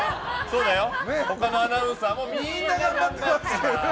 他のアナウンサーもみんな頑張ってますから。